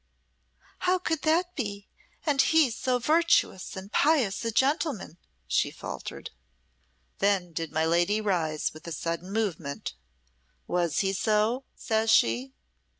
"How could that be, and he so virtuous and pious a gentleman?" she faltered. Then did my lady rise with a sudden movement. "Was he so?" says she.